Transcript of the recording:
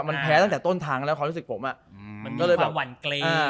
มันแพ้ตั้งแต่ต้นทางแล้วความรู้สึกผมอ่ะมันมีความหวั่นเกรงอ่า